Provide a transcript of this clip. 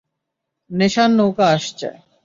নেশার নৌকা আসছে।